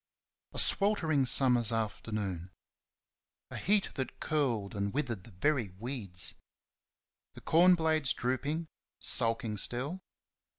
A sweltering summer's afternoon. A heat that curled and withered the very weeds. The corn blades drooping, sulking still.